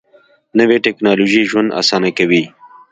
نوې ټیکنالوژي ژوند اسانه کوي